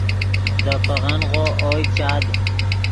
دے پیغنغو اوئے چاد